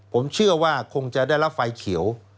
ผมเชื่อว่าคงจะได้รับไฟเขียว